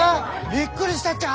びっくりしたっちゃ？